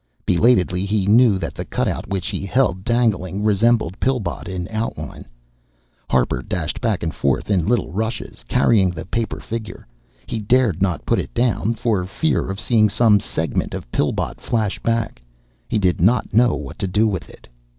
Belatedly, he knew that the cutout which he held dangling, resembled Pillbot in outline. Harper dashed back and forth in little rushes, carrying the paper figure. He dared not put it down, for fear of seeing some segment of Pillbot flash back. He did not know what to do with it.